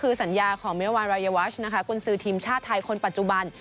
วันวันรายวาชกุณศือทีมชาติไทยคนปัจจุบัน